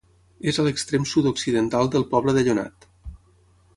És a l'extrem sud-occidental del poble de Llonat.